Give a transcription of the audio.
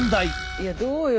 いやどうよ？